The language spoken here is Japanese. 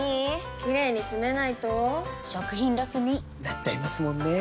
キレイにつめないと食品ロスに．．．なっちゃいますもんねー！